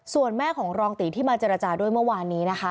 ส่วนแม่ของรองตีที่มาเจรจาด้วยเมื่อวานนี้นะคะ